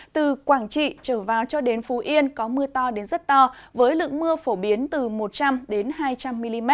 từ quảng trị trở vào cho đến phú yên có mưa to đến rất to với lượng mưa phổ biến từ một trăm linh hai trăm linh mm